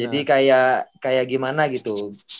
jadi kayak gimana gitu